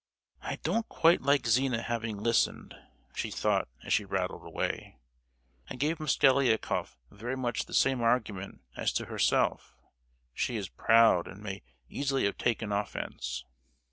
"I don't quite like Zina having listened!" she thought as she rattled away. "I gave Mosgliakoff very much the same argument as to herself: she is proud, and may easily have taken offence!